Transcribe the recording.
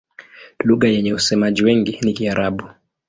Lugha yenye wasemaji wengi ni Kiarabu.